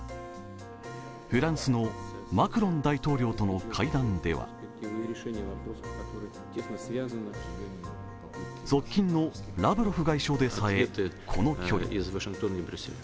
フランスのマクロン大統領との会談では側近のラブロフ外相でさえ、この距離。